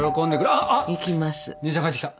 あっ姉ちゃん帰ってきた！